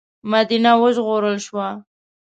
مدینه وژغورل شوه.